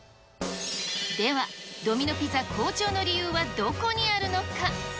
では、ドミノ・ピザ好調の理由はどこにあるのか。